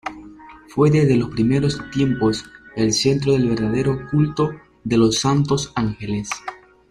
Fue desde los primeros tiempos el centro del verdadero culto de los santos ángeles.